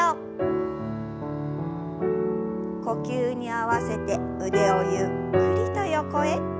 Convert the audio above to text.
呼吸に合わせて腕をゆっくりと横へ。